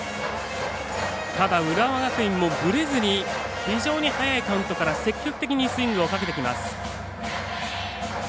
ただ、浦和学院もぶれずに非常に早いカウントから積極的にスイングをかけていきます。